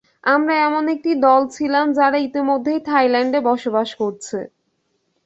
আমরা এমন একটি দল ছিলাম যারা ইতিমধ্যেই থাইল্যান্ডে বসবাস করছে।